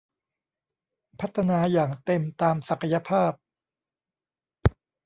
พัฒนาอย่างเต็มตามศักยภาพ